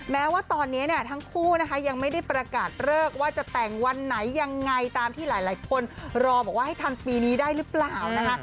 แม้ว่าตอนนี้เนี่ยทั้งคู่นะคะยังไม่ได้ประกาศเลิกว่าจะแต่งวันไหนยังไงตามที่หลายคนรอบอกว่าให้ทันปีนี้ได้หรือเปล่านะคะ